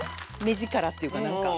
目力っていうかなんか。